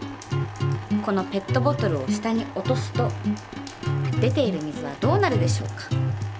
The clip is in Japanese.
このペットボトルを下に落とすと出ている水はどうなるでしょうか？